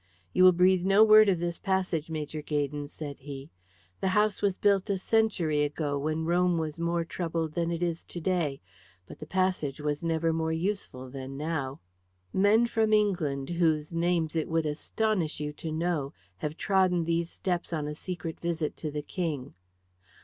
"You will breathe no word of this passage, Major Gaydon," said he. "The house was built a century ago when Rome was more troubled than it is to day, but the passage was never more useful than now. Men from England, whose names it would astonish you to know, have trodden these steps on a secret visit to the King.